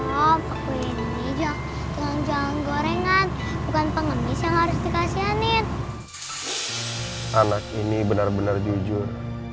jangan jangan gorengan bukan pengemis yang harus dikasih anit anak ini benar benar jujur